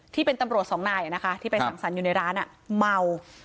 ที่เป็นตำรวจสองนายที่ไปสั่งสรรค์อยู่ในร้านเมา